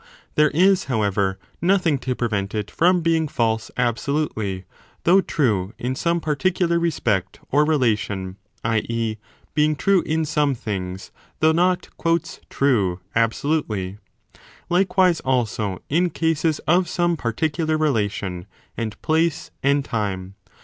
There is, however, 5 nothing to prevent it from being false absolutely, though true in some particular respect or relation, i. e. being true in some things, though not true absolutely. Likewise also in cases of some particular relation and place and time.